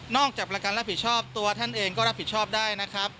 จากประกันรับผิดชอบตัวท่านเองก็รับผิดชอบได้นะครับ